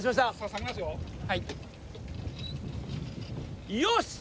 ・下げますよよし